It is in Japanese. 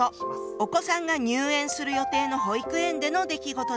お子さんが入園する予定の保育園での出来事でした。